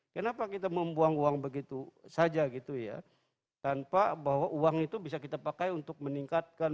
kenapa kita membuang uang begitu saja gitu ya tanpa bahwa uang itu bisa kita pakai untuk meningkatkan